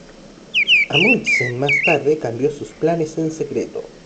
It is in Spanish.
Amundsen más tarde cambió sus planes en secreto.